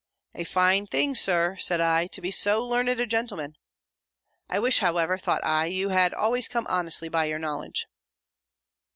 "A fine thing, Sir," said I, "to be so learned a gentleman!" "I wish, however," thought I, "you had always come honestly by your knowledge."